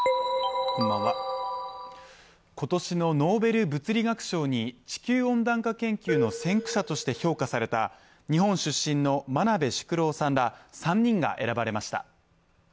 今年のノーベル物理学賞に地球温暖化研究の先駆者として評価された日本出身の真鍋淑郎さんら３人が選ばれました。